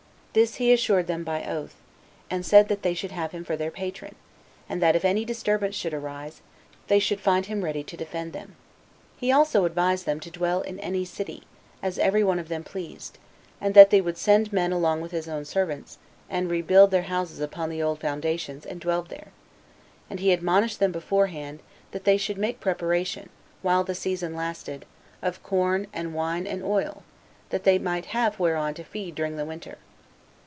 This he assured them of by oath; and said that they should have him for their patron, and that if any disturbance should arise, they should find him ready to defend them. He also advised them to dwell in any city, as every one of them pleased; and that they would send men along with his own servants, and rebuild their houses upon the old foundations, and dwell there; and he admonished them beforehand, that they should make preparation, while the season lasted, of corn, and wine, and oil, that they might have whereon to feed during the winter.